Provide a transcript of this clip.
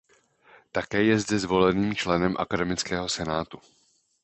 Také je zde zvoleným členem akademického senátu.